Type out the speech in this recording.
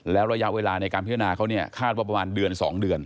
แล้วระยะเวลาในการพิจารณาเขาเนี่ยคาดว่าประมาณเดือน๒เดือน